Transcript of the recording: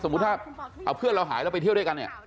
ถ้าเอาเพื่อนเราหายแล้วไปเที่ยวด้วยกันเนี่ย